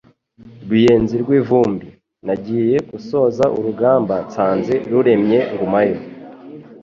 Ruyenzi rw'ivumbi, nagiye gusoza urugamba nsanze ruremye ngumayo